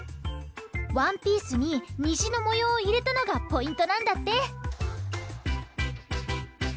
ワンピースににじのもようをいれたのがポイントなんだって！